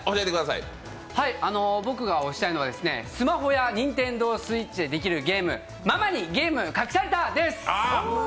僕が推したいのはスマホやＮｉｎｔｅｎｄｏＳｗｉｔｃｈでできるゲーム「ママにゲーム隠された」です。